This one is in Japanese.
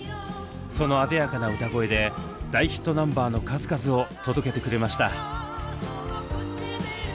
そのあでやかな歌声で大ヒットナンバーの数々を届けてくれました。